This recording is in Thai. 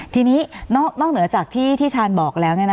ทีนี้นอกเหนือจากที่ชาญบอกแล้ว